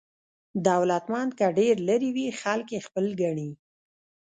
دولتمند که ډېر لرې وي، خلک یې خپل ګڼي.